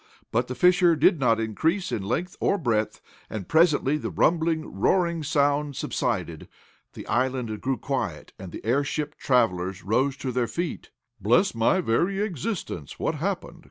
But the fissure did not increase in length or breadth, and, presently the rumbling, roaring sound subsided. The island grew quiet and the airship travelers rose to their feet. "Bless my very existence! What happened?"